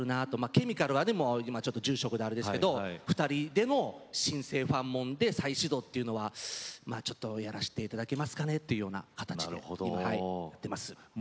ケミカルは今、ちょっと住職であれなんですけど２人での新生ファンモンで再始動というのはちょっとやらせていただけますかという形でやっています。